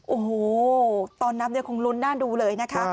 โอ้โหตอนนับเนี่ยคงลุ้นหน้าดูเลยนะคะ